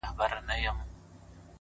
ځوان ژاړي سلگۍ وهي خبري کوي _